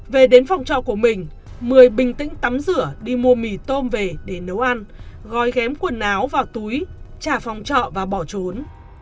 về đến phòng trọ của mình mười bình tĩnh tắm rửa đi mua mì tôm về để nấu ăn gói ghém quần áo vào túi trả phòng trọ và bỏ trốn